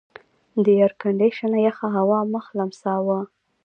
د ایرکنډېشن یخه هوا مخ لمساوه.